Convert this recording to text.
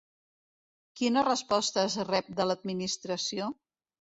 Quina resposta es rep de l'Administració?